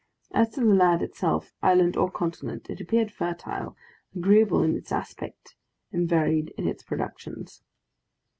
As to the land itself, island or continent, it appeared fertile, agreeable in its aspect, and varied in its productions.